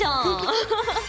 アハハッ。